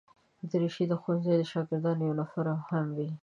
دریشي د ښوونځي د شاګردانو یونیفورم هم وي.